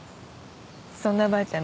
そんなばあちゃん